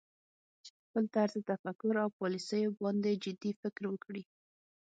په خپل طرز تفکر او پالیسیو باندې جدي فکر وکړي